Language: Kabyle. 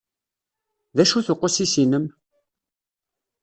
D acu-t uqusis-inem?